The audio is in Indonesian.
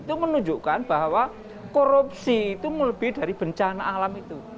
itu menunjukkan bahwa korupsi itu melebih dari bencana alam itu